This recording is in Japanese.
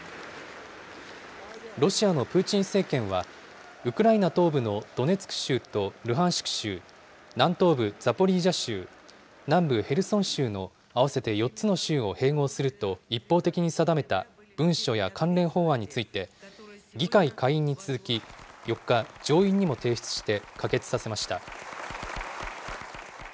ロシアのプーチン政権は、ウクライナ東部のドネツク州とルハンシク州、南東部ザポリージャ州、南部ヘルソン州の合わせて４つの州を併合すると一方的に定めた文書や関連法案について、議会下院に続き、４日、上院にも提出して可決させました。